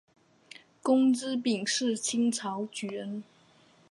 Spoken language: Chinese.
龚积柄是清朝举人。